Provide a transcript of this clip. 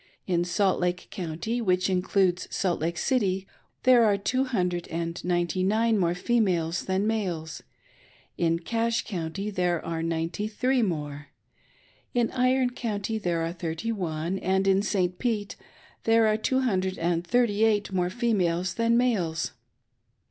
In Salt Lake County, which includes Salt Lake City, there are two hundred and ninety nine more females than males ; in Cache County there are ninety three more ; in Iron County there are thirty one ; and in San Pete there are two hundred and thirty eight more ifemales than males.